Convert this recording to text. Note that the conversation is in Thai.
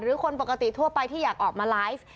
คนปกติทั่วไปที่อยากออกมาไลฟ์